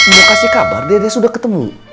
mau kasih kabar dede sudah ketemu